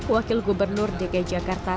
wakil gubernur dg jawa